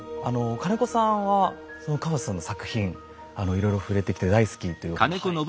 金子さんは河津さんの作品いろいろ触れてきて大好きというお話を聞きまして。